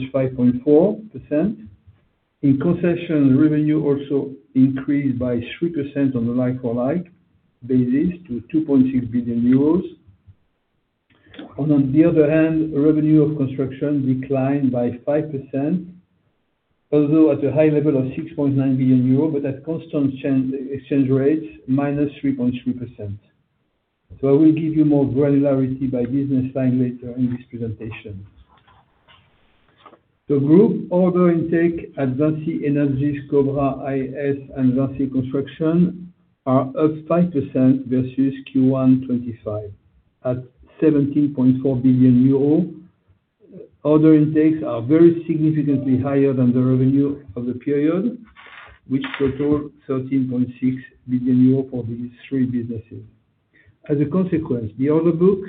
+5.4%. In Concession, revenue also increased by 3% on a like-for-like basis to 2.6 billion euros. On the other hand, revenue of Construction declined by 5%, although at a high level of 6.9 billion euro, but at constant exchange rates, -3.3%. I will give you more granularity by business line later in this presentation. The group order intake at VINCI Energies, Cobra IS, and VINCI Construction are up 5% versus Q1 2025 at 17.4 billion euro. Order intakes are very significantly higher than the revenue of the period, which total 13.6 billion euros for these three businesses. As a consequence, the order book,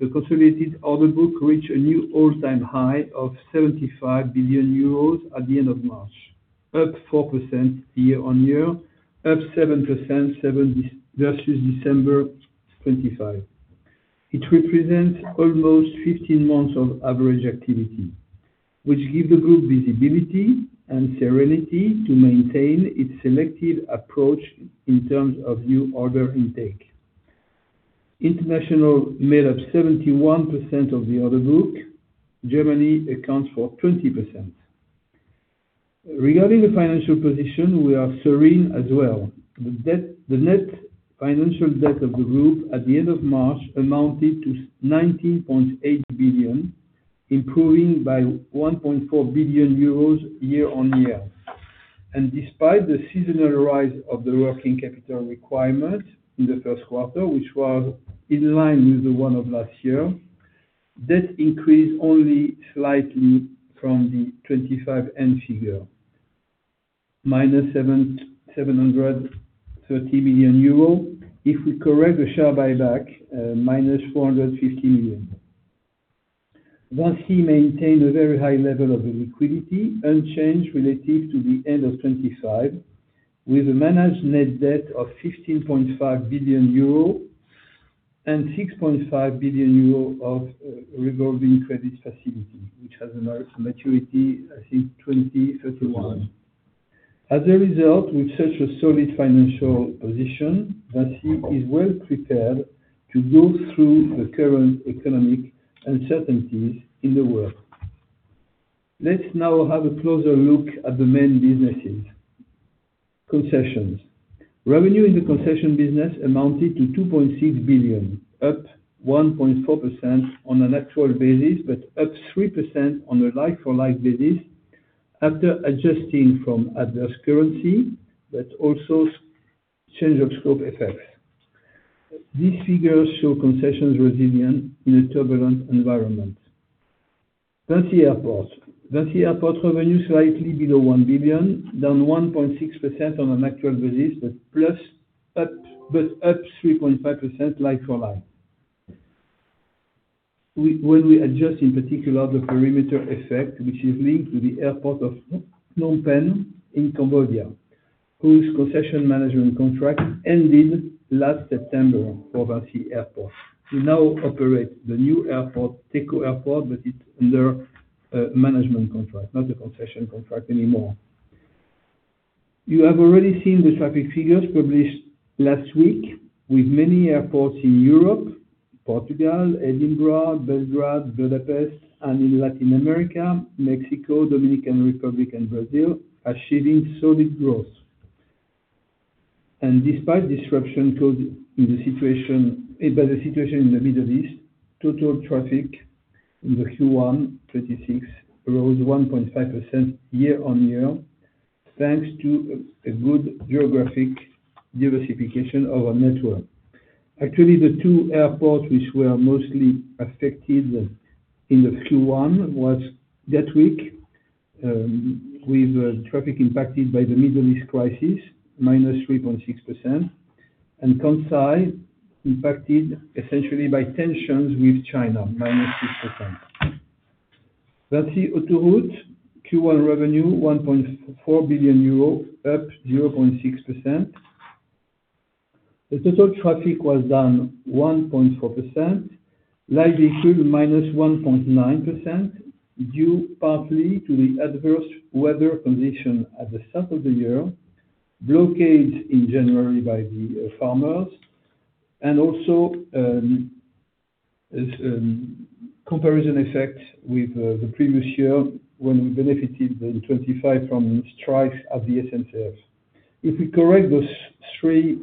the consolidated order book, reached a new all-time high of 75 billion euros at the end of March, up 4% year-on-year, up 7% versus December 2025. It represents almost 15 months of average activity, which give the group visibility and serenity to maintain its selective approach in terms of new order intake. International made up 71% of the order book. Germany accounts for 20%. Regarding the financial position, we are serene as well. The net financial debt of the group at the end of March amounted to 19.8 billion, improving by 1.4 billion euros year-on-year. Despite the seasonal rise of the working capital requirement in the first quarter, which was in line with the one of last year, debt increased only slightly from the 2024 end figure, -730 million euro. If we correct the share buy-back, -450 million. VINCI maintained a very high level of liquidity, unchanged relative to the end of 2024, with a managed net debt of 15.5 billion euro and 6.5 billion euro of revolving credit facility, which has a maturity, I think, 2031. As a result, with such a solid financial position, VINCI is well prepared to go through the current economic uncertainties in the world. Let's now have a closer look at the main businesses. Concessions. Revenue in the Concession business amounted to 2.6 billion, up 1.4% on an actual basis, but up 3% on a like-for-like basis after adjusting for adverse currency, but also change of scope effects. These figures show Concessions resilient in a turbulent environment. VINCI Airports. VINCI Airports revenue slightly below 1 billion, down 1.6% on an actual basis, but up 3.5% like-for-like. When we adjust, in particular, the perimeter effect, which is linked to the airport of Phnom Penh in Cambodia, whose Concession management contract ended last September for VINCI Airports. We now operate the new airport, Techo Airport, but it's under a management contract, not a Concession contract anymore. You have already seen the traffic figures published last week with many airports in Europe, Portugal, Edinburgh, Belgrade, Budapest, and in Latin America, Mexico, Dominican Republic, and Brazil, achieving solid growth. Despite disruption caused by the situation in the Middle East, total traffic in the Q1 2026 rose +1.5% year-on-year, thanks to a good geographic diversification of our network. Actually, the two airports which were mostly affected in the Q1 was Gatwick, with traffic impacted by the Middle East crisis, -3.6%, and Kansai, impacted essentially by tensions with China, -6%. VINCI Autoroutes Q1 revenue 1.4 billion euro, up +0.6%. The total traffic was down -1.4%, light vehicles -1.9%, due partly to the adverse weather condition at the start of the year, blockade in January by the farmers, and also comparison effect with the previous year, when we benefited in 2025 from strikes at the SNCF. If we correct those three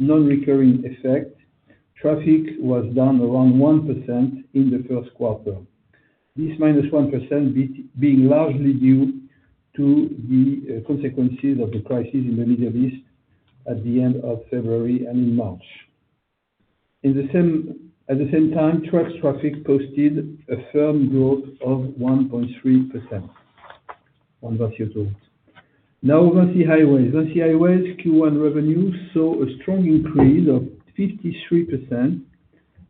non-recurring effects, traffic was down around 1% in the first quarter. This -1% being largely due to the consequences of the crisis in the Middle East at the end of February and in March. At the same time, truck traffic posted a firm growth of 1.3% on VINCI Autoroutes. Now, VINCI Highways. VINCI Highways Q1 revenue saw a strong increase of 53%,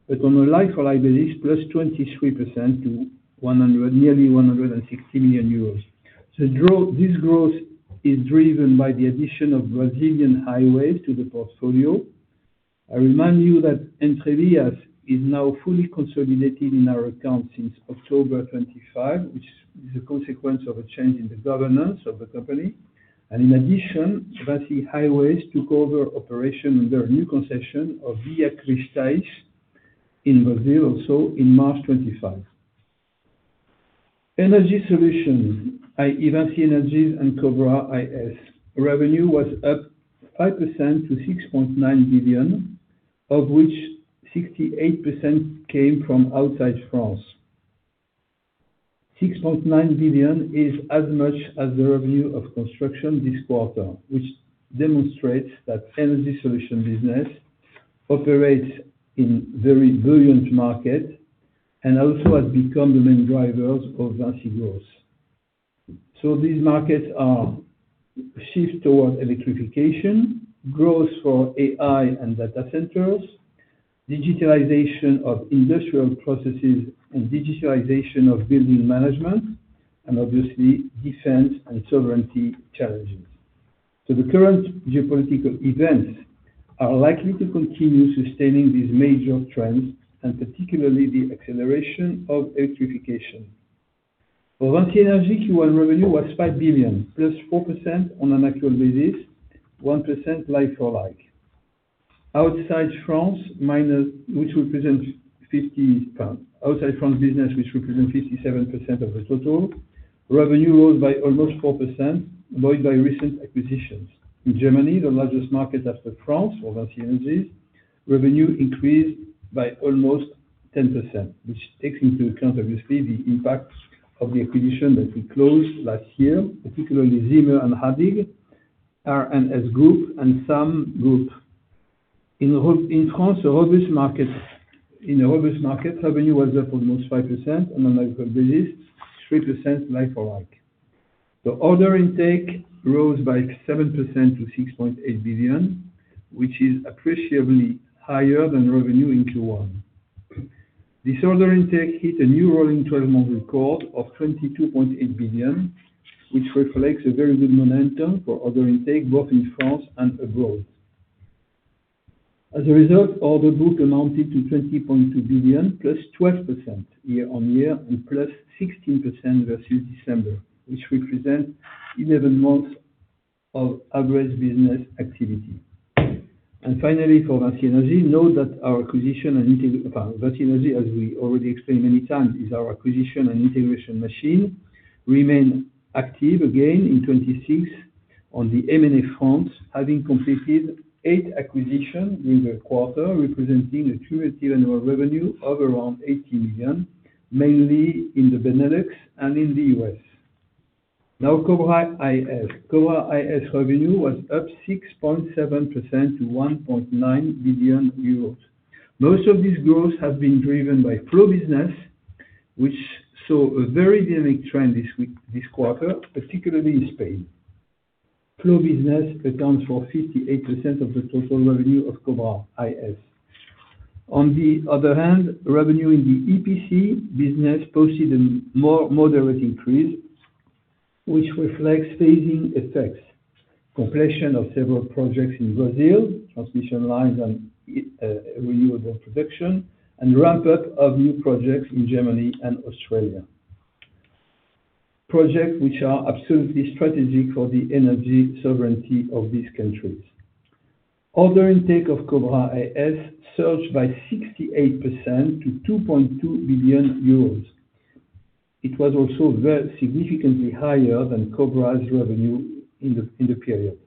but on a like-for-like basis, +23% to nearly 160 million euros. This growth is driven by the addition of Brazilian highways to the portfolio. I remind you that Entrevias is now fully consolidated in our accounts since October 25, which is a consequence of a change in the governance of the company. In addition, VINCI Highways took over operation under a new Concession of Via Cristais in Brazil, also in March 2025. Energy solutions, i.e., VINCI Energies and Cobra IS. Revenue was up 5% to 6.9 billion, of which 68% came from outside France. 6.9 billion is as much as the revenue of Construction this quarter, which demonstrates that VINCI Energies business operates in very buoyant markets and also has become the main drivers of VINCI growth. These markets are shifting towards electrification, growth for AI and data centers, digitalization of industrial processes and digitalization of building management, and obviously defense and sovereignty challenges. The current geopolitical events are likely to continue sustaining these major trends, and particularly the acceleration of electrification. For VINCI Energies, Q1 revenue was 5 billion, +4% on an actual basis, 1% like-for-like. Outside France business, which represents 57% of the total, revenue rose by almost 4%, buoyed by recent acquisitions. In Germany, the largest market after France for VINCI Energies, revenue increased by almost 10%, which takes into account, obviously, the impact of the acquisition that we closed last year, particularly Zimmer & Hälbig, R+S Group, and [Kontron] Group. In France, the road works market, revenue was up almost 5% on an actual basis, 3% like-for-like. The order intake rose by 7% to 6.8 billion, which is appreciably higher than revenue in Q1. This order intake hit a new rolling 12-month record of 22.8 billion, which reflects a very good momentum for order intake, both in France and abroad. As a result, order book amounted to 20.2 billion, +12% year-on-year and +16% versus December, which represents 11 months of average business activity. Finally, for VINCI Energies, note that VINCI Energies, as we already explained many times, is our acquisition and integration machine, remain active again in 2026 on the M&A front, having completed 8 acquisitions in the quarter, representing a cumulative annual revenue of around 80 million, mainly in the Netherlands and in the U.S. Now, Cobra IS. Cobra IS revenue was up 6.7% to 1.9 billion euros. Most of this growth has been driven by flow business, which saw a very dynamic trend this quarter, particularly in Spain. Flow business accounts for 58% of the total revenue of Cobra IS. On the other hand, revenue in the EPC business posted a more moderate increase, which reflects phasing effects, completion of several projects in Brazil, transmission lines and renewable production, and ramp-up of new projects in Germany and Australia. Projects which are absolutely strategic for the energy sovereignty of these countries. Order intake of Cobra IS surged by 68% to 2.2 billion euros. It was also significantly higher than Cobra's revenue in the period.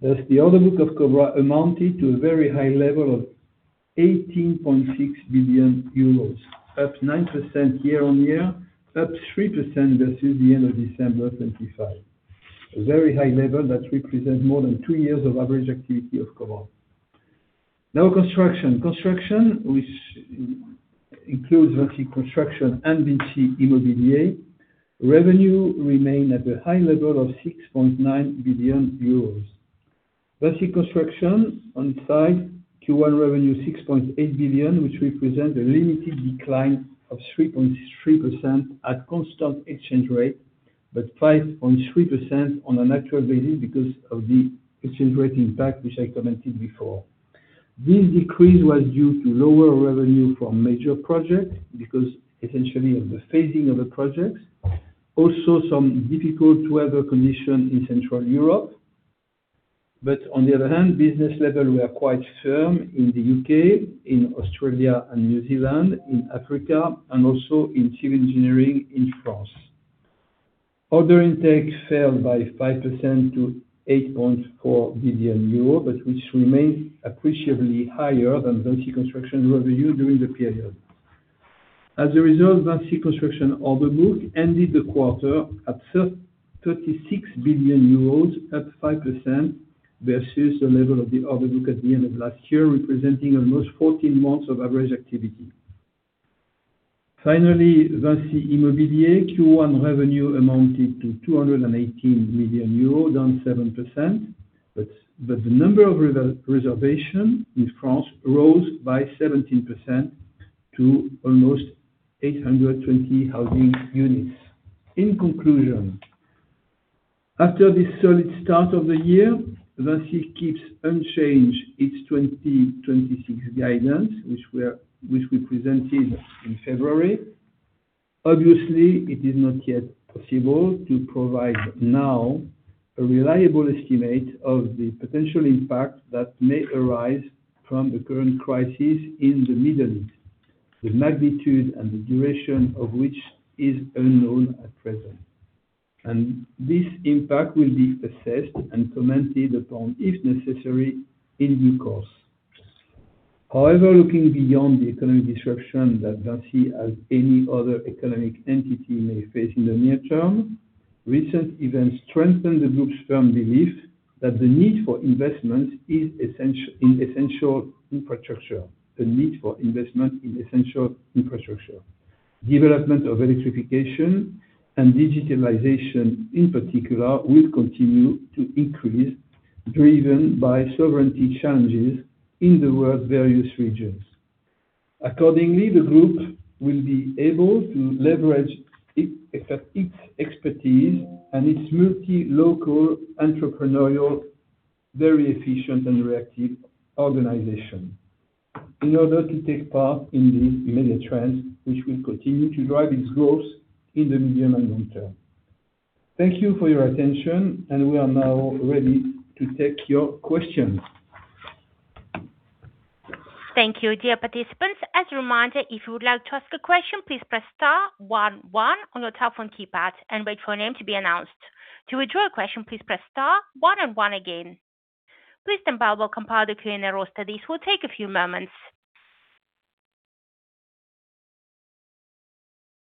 Thus, the order book of Cobra amounted to a very high level of 18.6 billion euros, up 9% year-on-year, up 3% versus the end of December 2025. A very high level that represents more than two years of average activity of Cobra. Now, Construction. Construction, which includes VINCI Construction and VINCI Immobilier revenue, remained at the high level of 6.9 billion euros. VINCI Construction, on its side, Q1 revenue 6.8 billion, which represent a limited decline of 3.3% at constant exchange rate, but 5.3% on a natural basis because of the exchange rate impact, which I commented before. This decrease was due to lower revenue from major projects because essentially of the phasing of the projects. Also, some difficult weather conditions in Central Europe. On the other hand, business level, we are quite firm in the U.K., in Australia and New Zealand, in Africa, and also in civil engineering in France. Order intake fell by 5% to 8.4 billion euros, which remains appreciably higher than VINCI Construction revenue during the period. As a result, VINCI Construction order book ended the quarter at 36 billion euros, up 5% versus the level of the order book at the end of last year, representing almost 14 months of average activity. Finally, VINCI Immobilier revenue Q1 amounted to 218 million euros, down 7%, but the number of reservations in France rose by 17% to almost 820 housing units. In conclusion. After this solid start of the year, VINCI keeps unchanged its 2026 guidance, which we presented in February. Obviously, it is not yet possible to provide now a reliable estimate of the potential impact that may arise from the current crisis in the Middle East, the magnitude and the duration of which is unknown at present. This impact will be assessed and commented upon, if necessary, in due course. However, looking beyond the economic disruption that VINCI as any other economic entity may face in the near term, recent events strengthen the group's firm belief that the need for investment in essential infrastructure development of electrification and digitalization, in particular, will continue to increase, driven by sovereignty challenges in the world's various regions. Accordingly, the group will be able to leverage its expertise and its multi-local entrepreneurial, very efficient, and reactive organization in order to take part in these major trends, which will continue to drive its growth in the medium and long term. Thank you for your attention, and we are now ready to take your questions. Thank you, dear participants. As a reminder, if you would like to ask a question, please press star one one on your telephone keypad and wait for your name to be announced. To withdraw your question, please press star one and one again. Please stand by while we compile the queuing roster. This will take a few moments.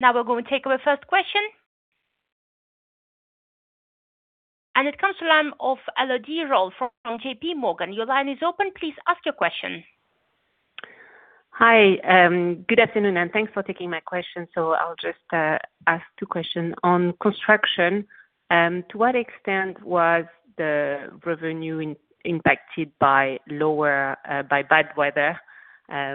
Now we're going to take our first question. It comes from the line of Elodie Rall from JPMorgan. Your line is open. Please ask your question. Hi. Good afternoon, and thanks for taking my question. I'll just ask two questions. On Construction, to what extent was the revenue impacted by bad weather?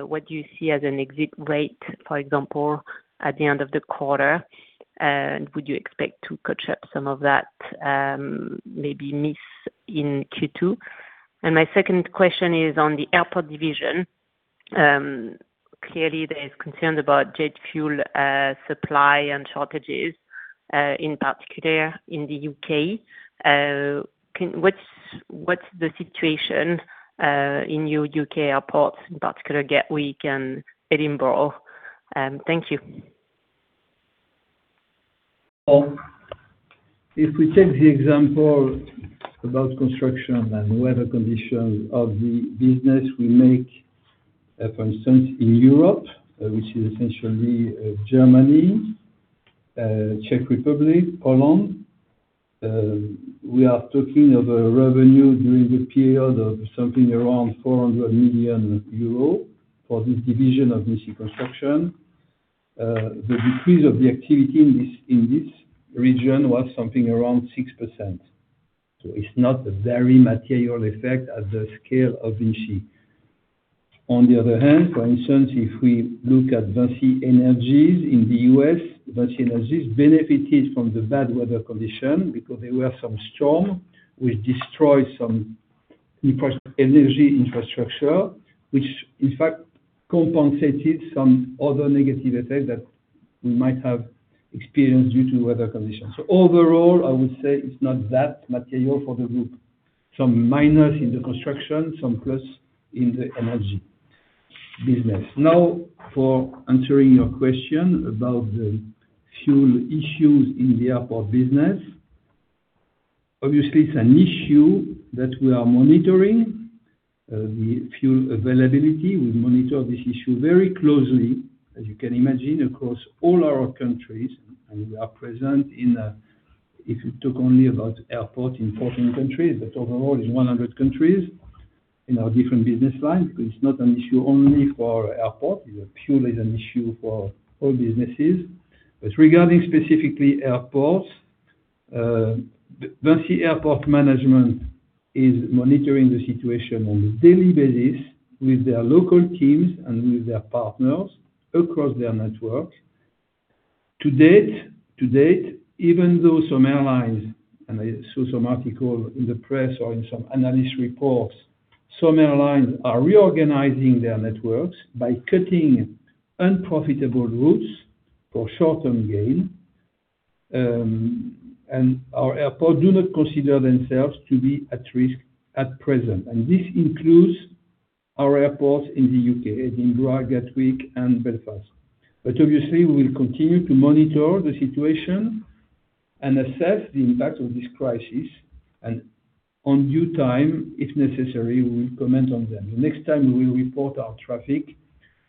What do you see as an exit rate, for example, at the end of the quarter? And would you expect to catch up some of that maybe miss in Q2? And my second question is on the airport division. Clearly, there is concern about jet fuel supply and shortages, in particular in the U.K. What's the situation in your U.K. airports, in particular Gatwick and Edinburgh? Thank you. If we take the example about Construction and weather condition of the business we make, for instance, in Europe, which is essentially Germany, Czech Republic, Poland, we are talking of a revenue during the period of something around 400 million euro for this division of this Construction. The decrease of the activity in this region was something around 6%. It's not a very material effect at the scale of VINCI. On the other hand, for instance, if we look at VINCI Energies in the U.S., VINCI Energies benefited from the bad weather condition because there were some storm which destroyed some energy infrastructure, which in fact compensated some other negative effects that we might have experienced due to weather conditions. Overall, I would say it's not that material for the group. Some minus in the Construction, some plus in the energy business. Now, for answering your question about the fuel issues in the airports business. Obviously, it's an issue that we are monitoring, the fuel availability. We monitor this issue very closely, as you can imagine, across all our countries, and we are present in, if you talk only about airports in 14 countries, but overall in 100 countries in our different business lines, because it's not an issue only for airports, fuel is an issue for all businesses. Regarding specifically airports, VINCI Airports management is monitoring the situation on a daily basis with their local teams and with their partners across their networks. To date, even though some airlines, and I saw some articles in the press or in some analyst reports, some airlines are reorganizing their networks by cutting unprofitable routes for short-term gain. Our airports do not consider themselves to be at risk at present, and this includes our airports in the U.K., Edinburgh, Gatwick, and Belfast. Obviously, we will continue to monitor the situation and assess the impact of this crisis, and in due time, if necessary, we will comment on them. The next time we will report our traffic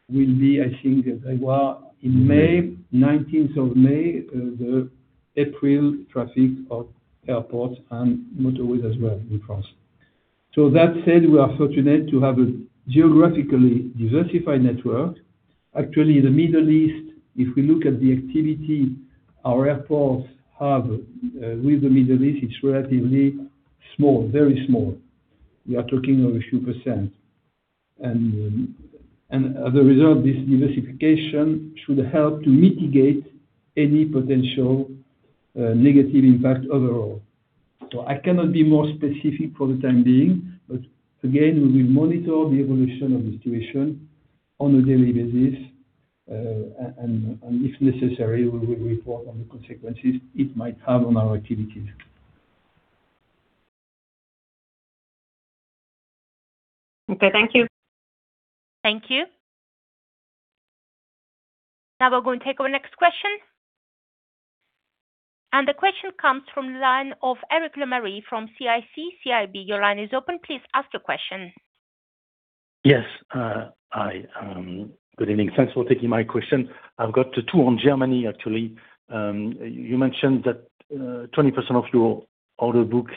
will be, I think, in May, 19th of May, the April traffic of airports and motorways as well in France. That said, we are fortunate to have a geographically diversified network. Actually, the Middle East, if we look at the activity our airports have with the Middle East, it's relatively small, very small. We are talking of a few percent. As a result, this diversification should help to mitigate any potential negative impact overall. I cannot be more specific for the time being, but again, we will monitor the evolution of the situation on a daily basis, and if necessary, we will report on the consequences it might have on our activities. Okay, thank you. Thank you. Now we're going to take our next question. The question comes from the line of Eric Lemarié from CIC CIB. Your line is open. Please ask your question. Yes. Hi, good evening. Thanks for taking my question. I've got two on Germany, actually. You mentioned that 20% of your order book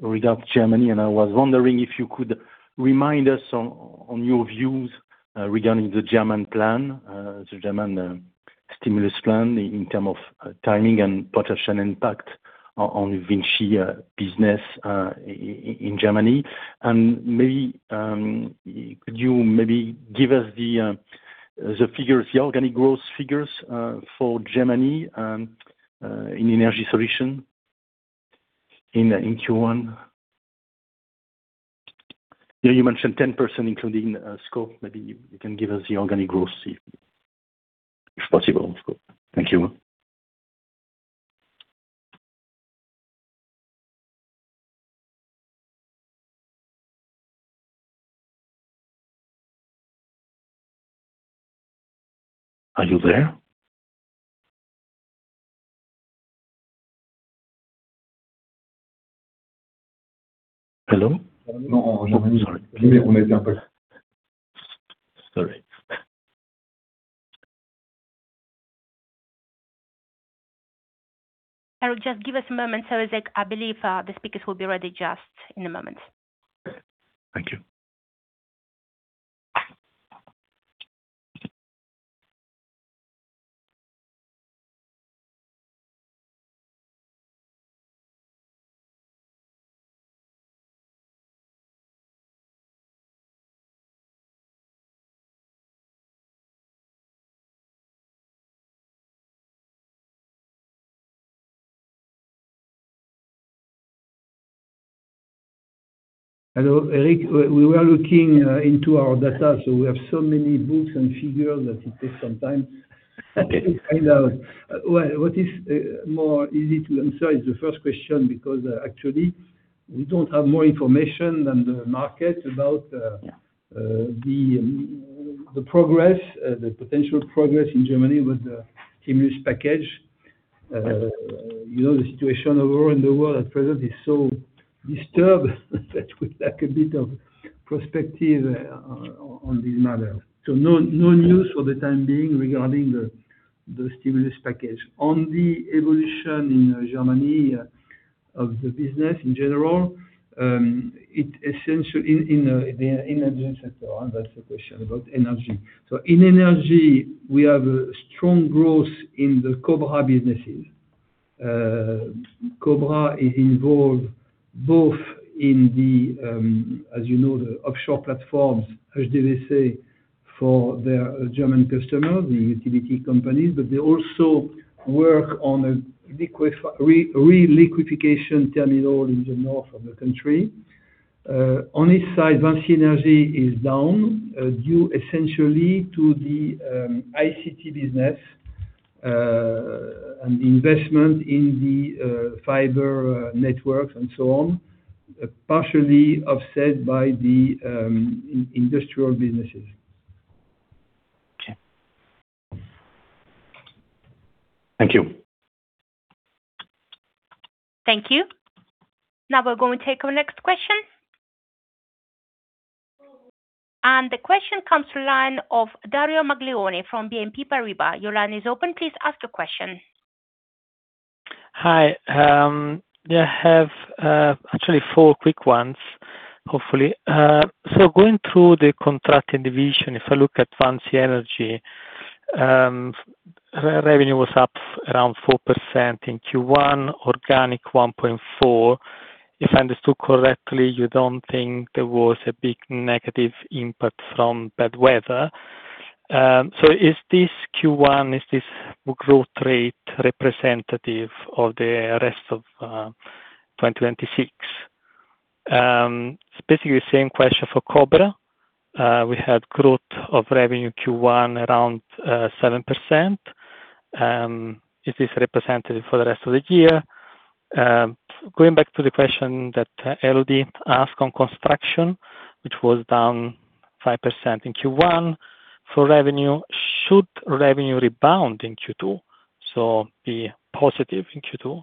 regards Germany, and I was wondering if you could remind us on your views regarding the German plan, the German stimulus plan in terms of timing and potential impact on VINCI business in Germany. Could you maybe give us the organic growth figures for Germany in energy solution in Q1? You mentioned 10% including scope. Maybe you can give us the organic growth, if possible. Thank you. Are you there? Hello? No. Sorry. Eric, just give us a moment, sir. I believe the speakers will be ready just in a moment. Thank you. Hello, Eric. We were looking into our data. We have so many books and figures that it takes some time to kind of. Well, what is more easy to answer is the first question, because actually we don't have more information than the market about the progress, the potential progress in Germany with the stimulus package. The situation overall in the world at present is so disturbed that we lack a bit of perspective on this matter. No news for the time being regarding the stimulus package. On the evolution in Germany of the business in general, in the energy sector. I'll answer the question about energy. In energy, we have a strong growth in the Cobra businesses. Cobra is involved both in the, as you know, the offshore platforms, HVDC, for their German customer, the utility companies, but they also work on a regasification terminal in the north of the country. On this side, VINCI Energies is down due essentially to the ICT business, and investment in the fiber networks and so on, partially offset by the industrial businesses. Okay. Thank you. Thank you. Now we're going to take our next question. The question comes from the line of Dario Maglione from BNP Paribas. Your line is open. Please ask your question. Hi, yeah, I have actually four quick ones, hopefully. Going through the contracting division, if I look at VINCI Energies, revenue was up around 4% in Q1, organic 1.4%. If I understood correctly, you don't think there was a big negative impact from bad weather. Is this Q1, is this growth rate representative of the rest of 2026? Specifically the same question for Cobra. We had growth of revenue Q1 around 7%. Is this representative for the rest of the year? Going back to the question that Elodie asked on Construction, which was down 5% in Q1 for revenue, should revenue rebound in Q2, so be positive in Q2?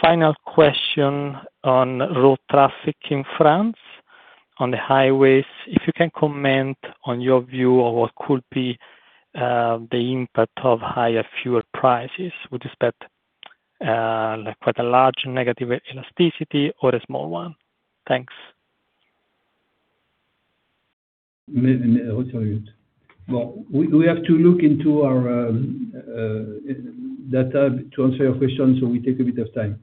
Final question on road traffic in France on the highways. If you can comment on your view of what could be the impact of higher fuel prices, would you expect quite a large negative elasticity or a small one? Thanks. Well, we have to look into our data to answer your question, so we take a bit of time.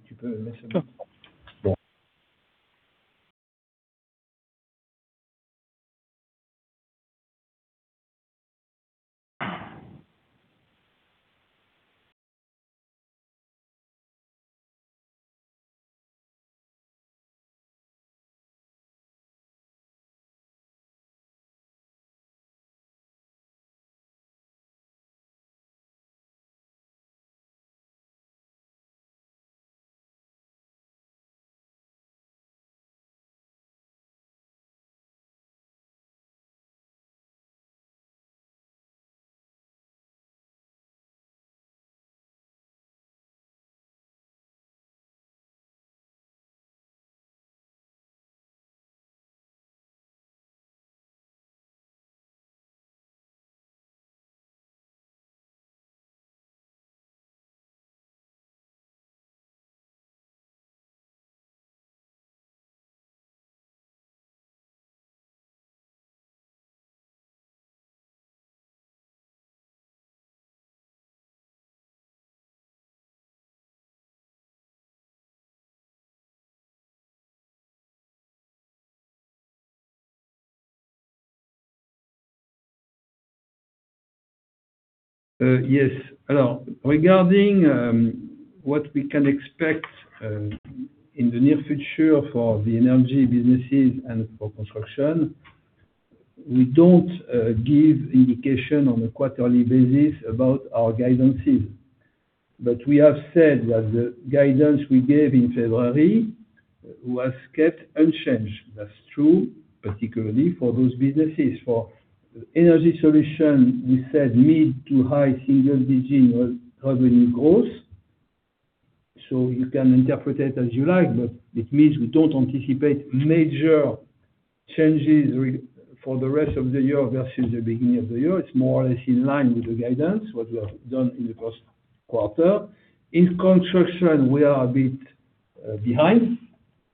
Sure. Well. Yes. Regarding what we can expect in the near future for the energy businesses and for Construction, we don't give indication on a quarterly basis about our guidances. We have said that the guidance we gave in February was kept unchanged. That's true, particularly for those businesses. For energy solution, we said mid to high single-digit revenue growth. You can interpret it as you like, but it means we don't anticipate major changes for the rest of the year versus the beginning of the year. It's more or less in line with the guidance, what we have done in the first quarter. In Construction, we are a bit behind,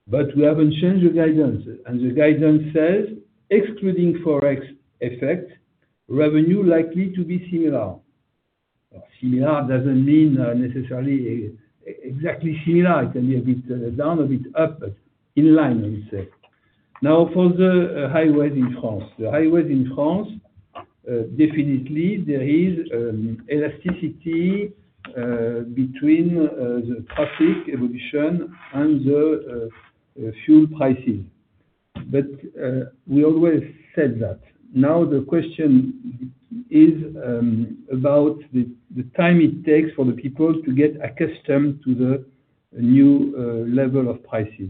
but we haven't changed the guidance, and the guidance says excluding Forex effect, revenue likely to be similar. Similar doesn't mean necessarily exactly similar. It can be a bit down, a bit up, but in line, we say. Now, for the highways in France. The highways in France, definitely there is elasticity between the traffic evolution and the fuel prices. We always said that. Now the question is about the time it takes for the people to get accustomed to the new level of prices.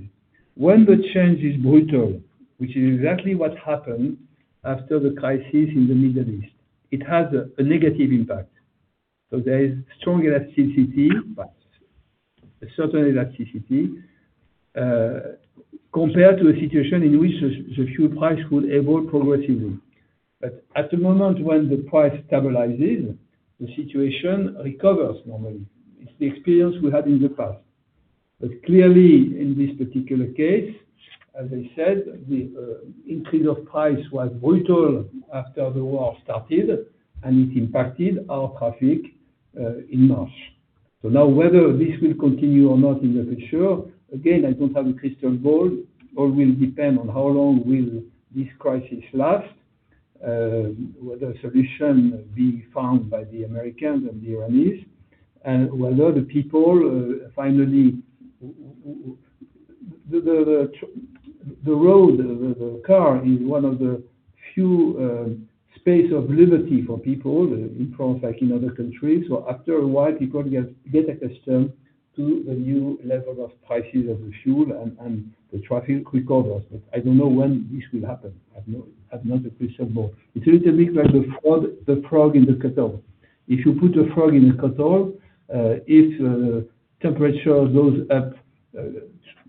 When the change is brutal, which is exactly what happened after the crisis in the Middle East, it has a negative impact. There is strong elasticity, but a certain elasticity, compared to a situation in which the fuel price could evolve progressively. At the moment when the price stabilizes, the situation recovers normally. It's the experience we had in the past. Clearly in this particular case, as I said, the increase of price was brutal after the war started, and it impacted our traffic in March. Now whether this will continue or not in the future, again, I don't have a crystal ball. All will depend on how long will this crisis last, whether a solution will be found by the Americans and the Iranians, and whether the people finally. The road, the car is one of the few space of liberty for people in France like in other countries. After a while, people get accustomed to the new level of prices of the fuel and the traffic recovers. I don't know when this will happen. I've not a crystal ball. It's a little bit like the frog in the kettle. If you put a frog in a kettle, if temperature goes up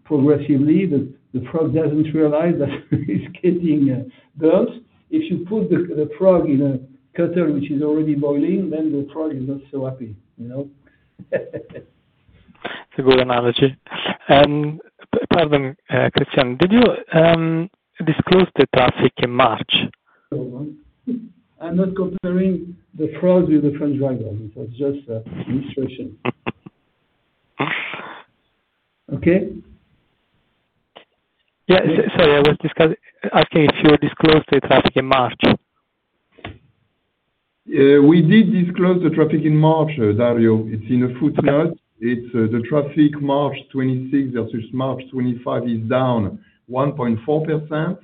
progressively, the frog doesn't realize that it's getting burned. If you put the frog in a kettle which is already boiling, then the frog is not so happy. It's a good analogy. Pardon, Christian, did you disclose the traffic in March? Hold on. I'm not comparing the frogs with the French drivers. It was just an illustration. Okay? Yeah. Sorry, I was asking if you disclosed the traffic in March. We did disclose the traffic in March, Dario. It's in a footnote. It's the traffic March 2026 versus March 2025 is down 1.4%,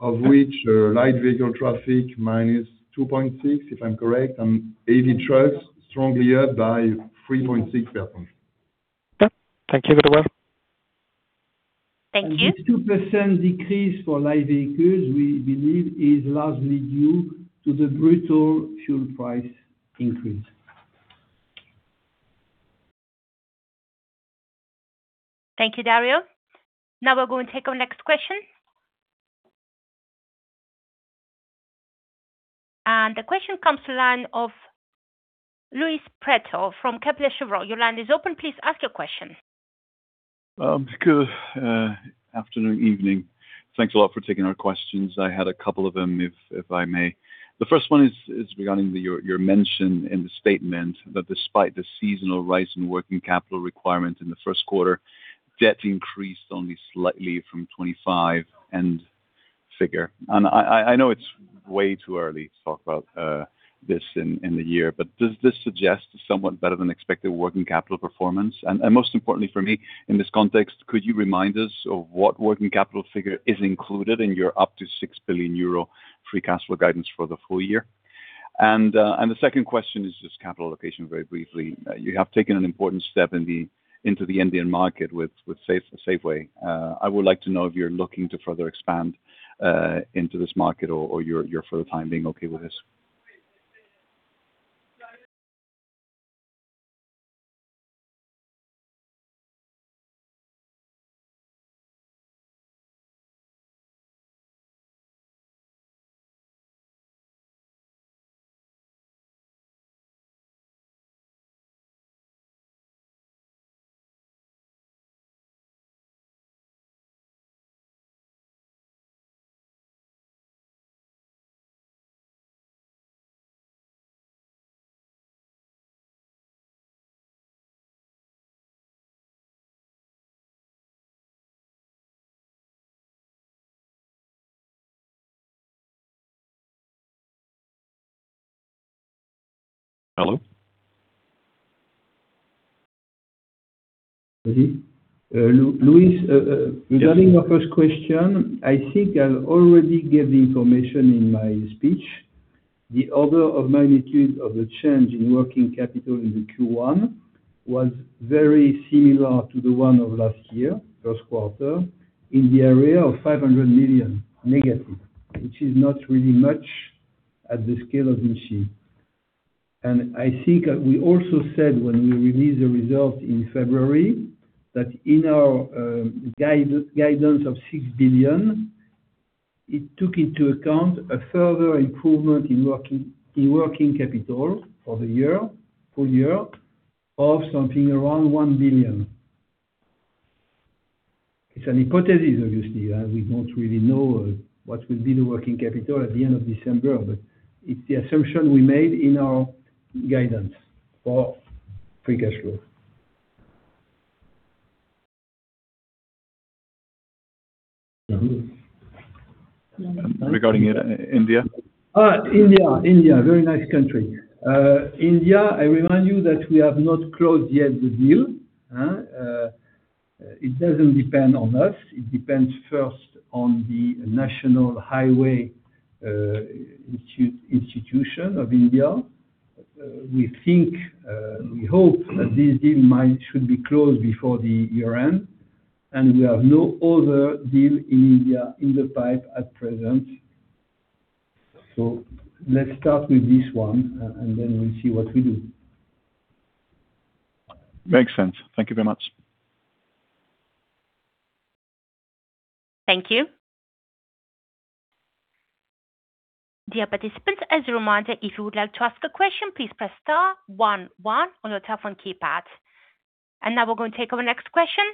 of which light vehicle traffic minus 2.6%, if I'm correct, and heavy trucks strongly up by 3.6%. Okay. Thank you very much. Thank you. The 2% decrease for light vehicles we believe is largely due to the brutal fuel price increase. Thank you, Dario. Now we'll go and take our next question. The question comes to line of Luis Prieto from Kepler Cheuvreux. Your line is open. Please ask your question. Good afternoon, evening. Thanks a lot for taking our questions. I had a couple of them, if I may. The first one is regarding your mention in the statement that despite the seasonal rise in working capital requirements in the first quarter, debt increased only slightly from 2025 end figure. I know it's way too early to talk about this in the year, but does this suggest somewhat better-than-expected working capital performance? Most importantly for me, in this context, could you remind us of what working capital figure is included in your up to 6 billion euro free cash flow guidance for the full year? The second question is just capital allocation very briefly. You have taken an important step into the Indian market with Safeway. I would like to know if you're looking to further expand into this market or you're, for the time being, okay with this. Hello? Luis, regarding your first question, I think I already gave the information in my speech. The order of magnitude of the change in working capital in the Q1 was very similar to the one of last year, first quarter, in the area of 500 million negative, which is not really much at the scale of VINCI. I think we also said when we released the result in February, that in our guidance of 6 billion, it took into account a further improvement in working capital for the full year of something around 1 billion. It's a hypothesis, obviously. We don't really know what will be the working capital at the end of December, but it's the assumption we made in our guidance for free cash flow. Regarding India? India. Very nice country. India, I remind you that we have not closed yet the deal. It doesn't depend on us. It depends first on the National Highways Authority of India. We think, we hope that this deal should be closed before the year-end, and we have no other deal in India in the pipe at present. Let's start with this one, and then we'll see what we do. Makes sense. Thank you very much. Thank you. Dear participants, as a reminder, if you would like to ask a question, please press star one one on your telephone keypad. Now we're going to take our next question,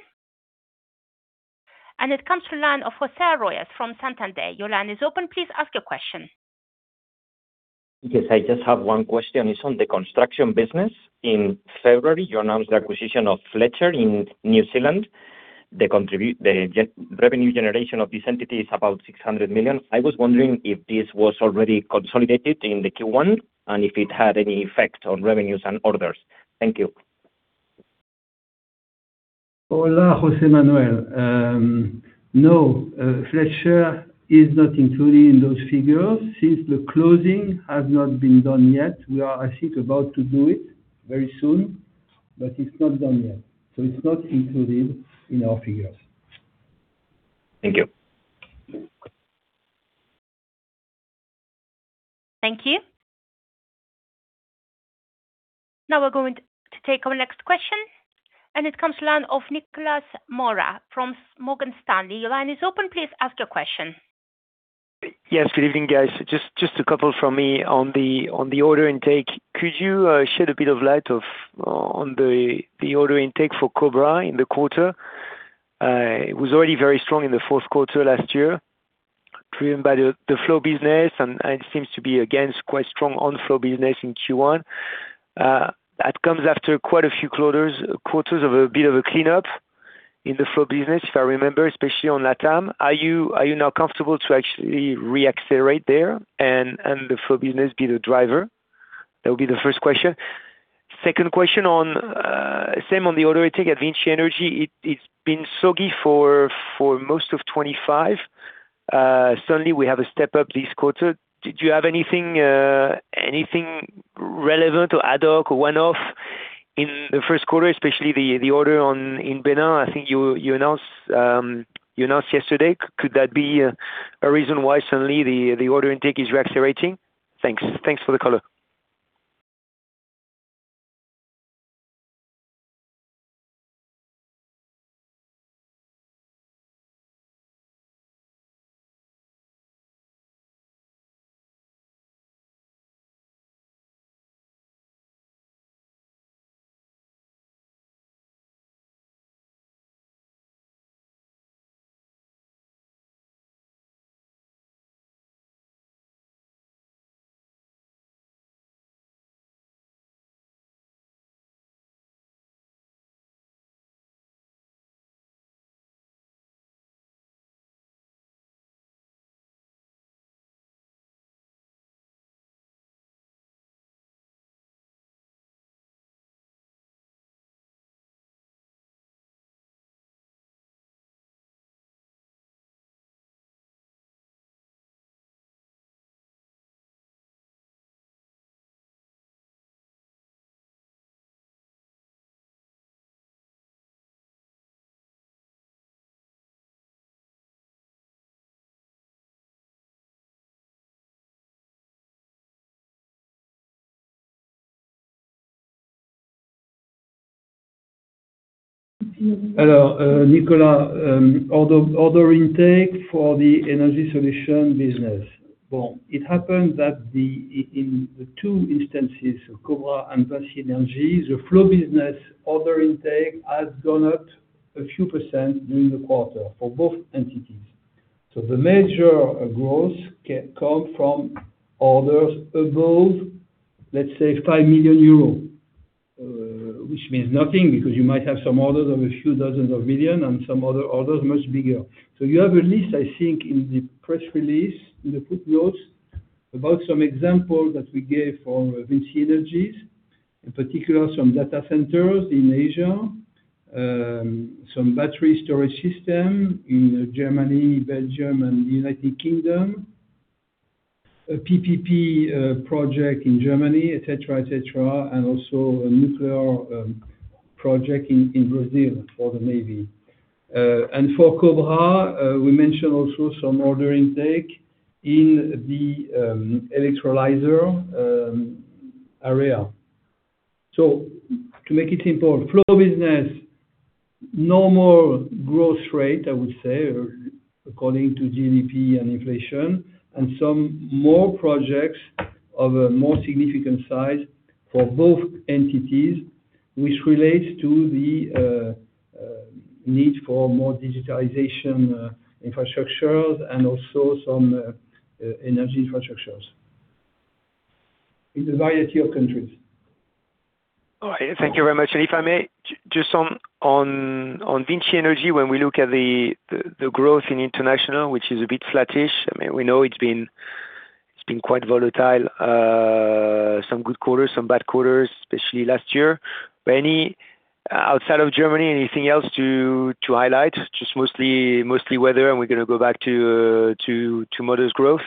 and it comes to the line of José Arroyas from Santander. Your line is open. Please ask your question. Yes, I just have one question. It's on the Construction business. In February, you announced the acquisition of Fletcher in New Zealand. The revenue generation of this entity is about 600 million. I was wondering if this was already consolidated in the Q1 and if it had any effect on revenues and orders. Thank you. Hola, José Manuel. No, Fletcher is not included in those figures since the closing has not been done yet. We are, I think, about to do it very soon, but it's not done yet, so it's not included in our figures. Thank you. Thank you. Now we're going to take our next question, and it comes to the line of Nicolas Mora from Morgan Stanley. Your line is open. Please ask your question. Yes, good evening, guys. Just a couple from me on the order intake. Could you shed a bit of light on the order intake for Cobra in the quarter? It was already very strong in the fourth quarter last year, driven by the flow business, and it seems to be again quite strong on flow business in Q1. That comes after quite a few quarters of a bit of a cleanup in the flow business, if I remember, especially on Latam. Are you now comfortable to actually re-accelerate there and the flow business be the driver? That would be the first question. Second question, same on the order intake, VINCI Energies. It's been soft for most of 2024. Suddenly we have a step-up this quarter. Did you have anything relevant or ad hoc or one-off in the first quarter, especially the order in Benin? I think you announced yesterday. Could that be a reason why suddenly the order intake is re-accelerating? Thanks for the color. Hello, Nicolas. Order intake for the energy solution business. It happened that in the two instances, Cobra and VINCI Energies, the flow business order intake has gone up a few % during the quarter for both entities. The major growth come from orders above, let's say, 5 million euros, which means nothing, because you might have some orders of a few dozens of million and some other orders much bigger. You have a list, I think, in the press release, in the footnotes, about some examples that we gave for VINCI Energies, in particular, some data centers in Asia, some battery storage system in Germany, Belgium, and United Kingdom, a PPP project in Germany, et cetera. Also a nuclear project in Brazil for the Navy. For Cobra, we mentioned also some order intake in the electrolyzer area. To make it simple, flow business, normal growth rate, I would say, according to GDP and inflation, and some more projects of a more significant size for both entities, which relates to the need for more digitization infrastructures and also some energy infrastructures in a variety of countries. All right. Thank you very much. If I may, just on VINCI Energies, when we look at the growth in international, which is a bit flattish, we know it's been quite volatile. Some good quarters, some bad quarters, especially last year. Any outside of Germany, anything else to highlight? Just mostly weather, and we're going to go back to modest growth?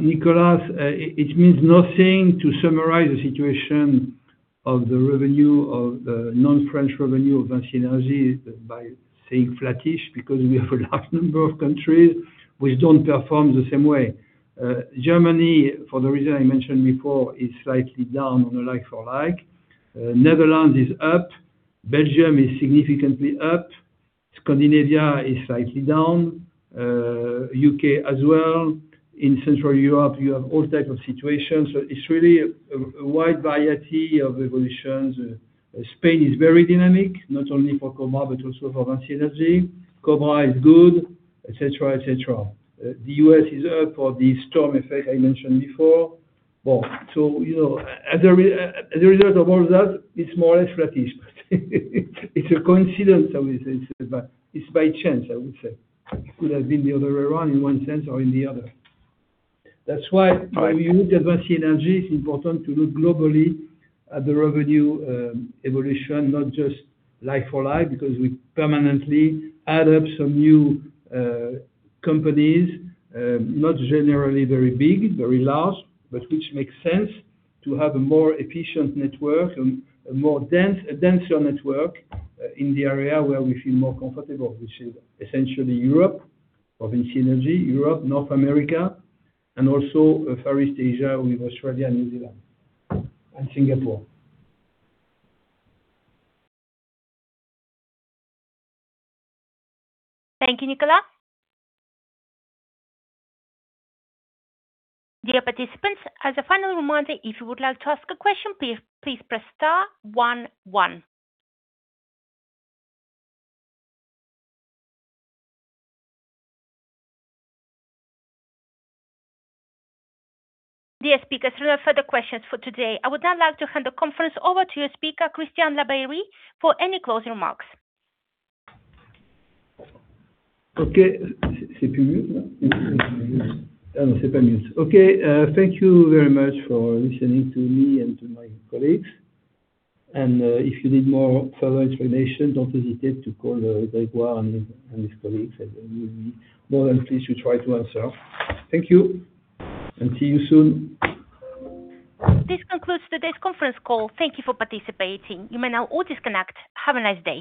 Nicolas, it means nothing to summarize the situation of the non-French revenue of VINCI Energies by saying flattish, because we have a large number of countries which don't perform the same way. Germany, for the reason I mentioned before, is slightly down on a like-for-like. Netherlands is up. Belgium is significantly up. Scandinavia is slightly down. U.K. as well. In Central Europe, you have all type of situations. It's really a wide variety of evolutions. Spain is very dynamic, not only for Cobra, but also for VINCI Energies. Cobra is good, et cetera. The U.S. is up for the storm effect I mentioned before. As a result of all that, it's more or less flattish. It's a coincidence, obviously, but it's by chance, I would say. It could have been the other way around in one sense or in the other. That's why, when you look at VINCI Energies, it's important to look globally at the revenue evolution, not just like-for-like, because we permanently add up some new companies, not generally very big, very large, but which makes sense to have a more efficient network and a denser network in the area where we feel more comfortable, which is essentially Europe, for VINCI Energies, Europe, North America, and also Far East Asia with Australia and New Zealand, and Singapore. Thank you, Nicolas. Dear participants, as a final reminder, if you would like to ask a question, please press star one one. Dear speakers, there are no further questions for today. I would now like to hand the conference over to your speaker, Christian Labeyrie, for any closing remarks. Okay. Thank you very much for listening to me and to my colleagues. If you need more follow-up information, don't hesitate to call Gregoire and his colleagues, and they will be more than pleased to try to answer. Thank you, and see you soon. This concludes today's conference call. Thank you for participating. You may now all disconnect. Have a nice day.